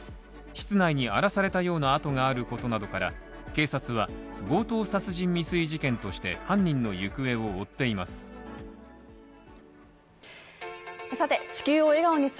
室内に荒らされたようなあとがあることなどから警察は、強盗殺人未遂事件として、犯人の行方を追っています。